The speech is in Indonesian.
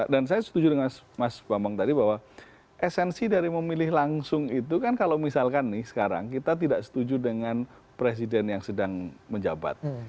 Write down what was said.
dan saya setuju dengan mas bambang tadi bahwa esensi dari memilih langsung itu kan kalau misalkan nih sekarang kita tidak setuju dengan presiden yang sedang menjabat